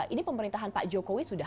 ini pemerintahan pak jokowi sudah